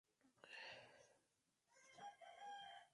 predico